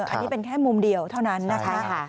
อันนี้เป็นแค่มุมเดียวเท่านั้นนะคะ